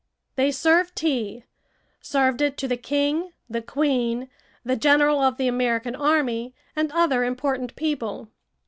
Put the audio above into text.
They served tea served it to the king, the queen, the general of the American army, and other important people.